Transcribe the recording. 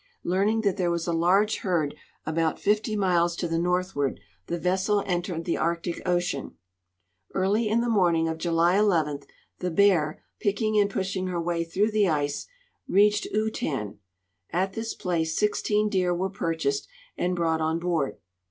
Learning that there was a large herd about 50 miles to the northward, the vessel entered the Arctic ocean. Early in the morning of Juh' 11 the Bear, picking and pushing her way through the ice, reached Utan At this place 16 deer Avere purchased and brought on board.